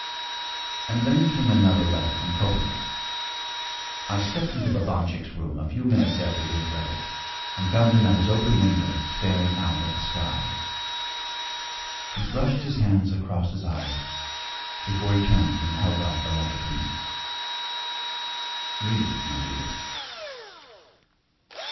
And then came another letter from Kolya. I stepped into Babanchik's room a few minutes after he had read it and found him at his open window, staring out at the sky. He brushed his hands across his eyes before he turned and held out the letter to me. 'Read it, my dear.'